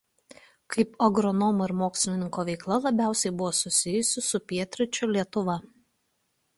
Kaip agronomo ir mokslininko veikla labiausiai buvo susijusi su Pietryčių Lietuva.